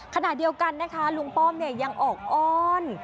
ขณะเดียวกันนะคะลุงป้อมยังออกอ้อน